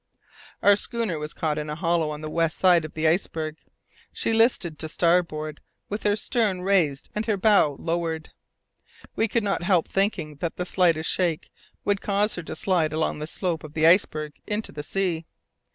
Our schooner was caught in a hollow on the west side of the iceberg. She listed to starboard with her stern raised and her bow lowered. We could not help thinking that the slightest shake would cause her to slide along the slope of the iceberg into the sea.